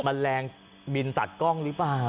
แมลงบินตัดกล้องหรือเปล่า